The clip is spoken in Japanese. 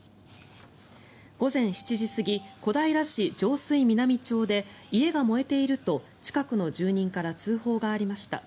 午前７時過ぎ小平市上水南町で家が燃えていると近くの住人から通報がありました。